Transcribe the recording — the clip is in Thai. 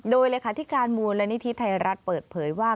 โดยเลขาธิการมูลนิธิไทยรัฐเปิดเผยว่า